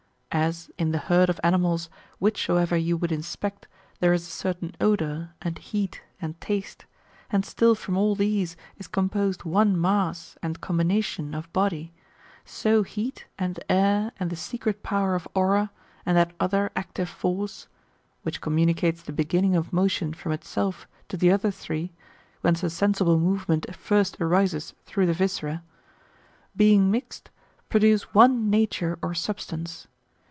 As, in the herd of animals, whicfasoever you would inspect,^ there is a certain odour, and heat, and taste ; and still from all these is composed one mass and combination of body. So heat, and air, and the secret power of aura, and that other active force, (which communicates the beginning of motion from itself to the other three, whence a sensible movement first arises through the viscera,^) being mixed, produce one nature or sub' stance.